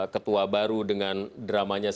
ketua baru dengan dramanya